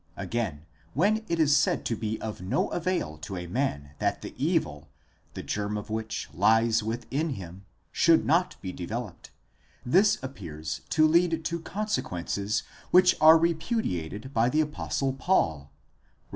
Again, when it is said to be of no avail to a man that the evil, the germ of which lies within him, should not be developed, this appears to lead to consequences which are repudiated by the apostle Paul, Rom.